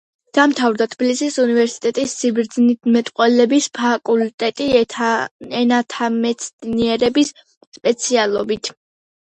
დაამთავრა თბილისის უნივერსიტეტის სიბრძნისმეტყველების ფაკულტეტი ენათმეცნიერების სპეციალობით.